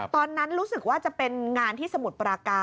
ตอนนั้นรู้สึกว่าจะเป็นงานที่สมุทรปราการ